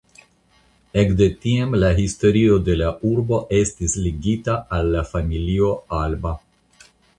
Ekde tiam la historio de la urbo estis ligita al la familio Alba.